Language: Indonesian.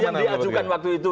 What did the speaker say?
yang diajukan waktu itu